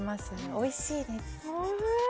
おいしいです。